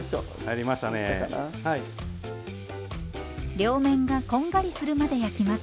両面がこんがりするまで焼きます。